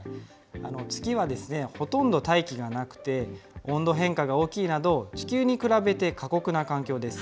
月はほとんど大気がなくて、温度変化が大きいなど、地球に比べて過酷な環境です。